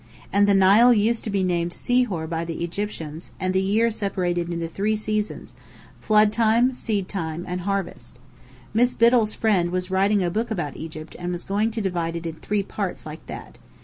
And the Nile used to be named Sihor by the Egyptians; and the year separated into three seasons, Flood time, Seed time, and Harvest. Miss Biddell's friend was writing a book about Egypt and was going to divide it in three parts like that.